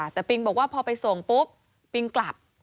แต่ปิงบอกว่าพอไปส่งปุ๊บปิงกลับ